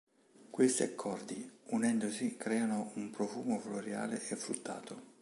Questi accordi unendosi creano un profumo floreale e fruttato.